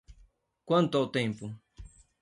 Quanto ao tempo?